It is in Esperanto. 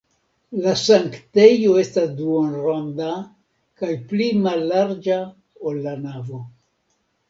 La sanktejo estas duonronda kaj pli mallarĝa, ol la navo.